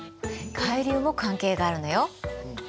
海流も関係があるのよ。